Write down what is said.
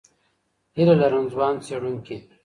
هیله لرم ځوان څېړونکي